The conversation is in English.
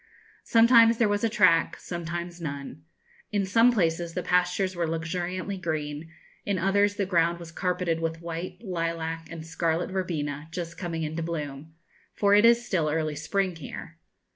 Sometimes there was a track, sometimes none. In some places the pastures were luxuriantly green; in others the ground was carpeted with white, lilac, and scarlet verbena, just coming into bloom for it is still early spring here.